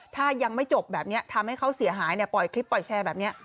ถ้ายังไม่จบแบบนี้ทำให้เขาเสียหายปล่อยคลิปปล่อยแชร์แบบนี้